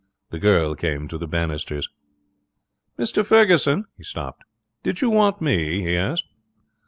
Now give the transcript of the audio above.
The girl came to the banisters. 'Mr Ferguson!' He stopped. 'Did you want me?' he asked.